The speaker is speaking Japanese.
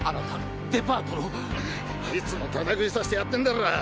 いつもタダ食いさせてやってんだろ？